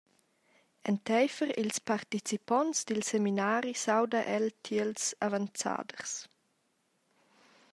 Enteifer ils participonts dil seminari s’auda el tiels avanzaders.